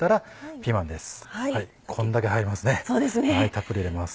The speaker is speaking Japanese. たっぷり入れます。